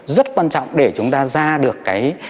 rất quan trọng để chúng ta ra được cái